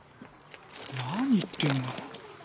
何言ってんの？